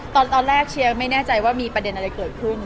ตอนแรกเชียร์ไม่แน่ใจว่ามีประเด็นอะไรเกิดขึ้น